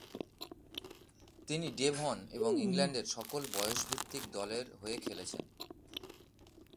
তিনি ডেভন এবং ইংল্যান্ডের সকল বয়সভিত্তিক দলের হয়ে খেলেছেন।